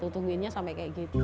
tungguinnya sampai kayak gitu